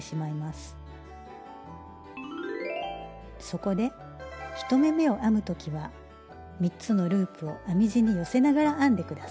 そこで１目めを編む時は３つのループを編み地に寄せながら編んで下さい。